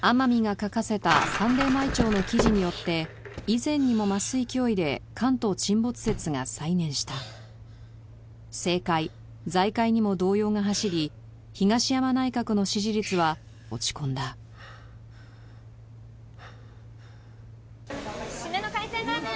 書かせたサンデー毎朝の記事によって以前にも増す勢いで関東沈没説が再燃した政界財界にも動揺が走り東山内閣の支持率は落ち込んだシメの海鮮ラーメン